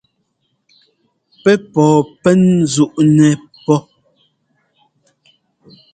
Pɛ́ pɔɔ pɛn ńzúꞌnɛ́ pɔ́.